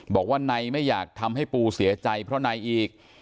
บอกว่าในไม่อยากทำให้ปูเสียใจเพราะในอีก